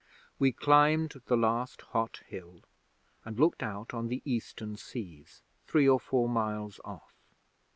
'We climbed the last hot hill and looked out on the eastern sea, three or four miles off.